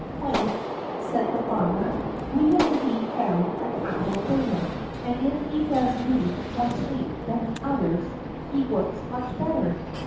"Wife," said the farmer, "we have indeed found a capital bailiff, and if he does need more sleep than the others, he works much better."